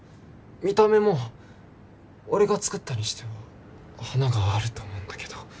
見た目も俺が作ったにしては華があると思うんだけど。